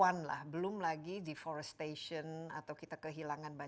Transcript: anomali yang di semester ke dua tahun dua ribu dua puluh